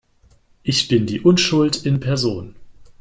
Ich bin die Unschuld in Person!